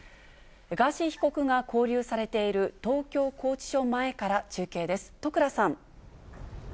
ガーシー被告が勾留されている東京拘置所前から中継です。